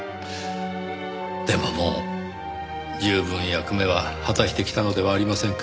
でももう十分役目は果たしてきたのではありませんか？